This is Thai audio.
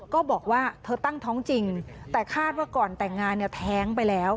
ก็บอกว่าเธอตั้งท้องจริงแต่คาดว่าก่อนแต่งงานเนี่ยแท้งไปแล้ว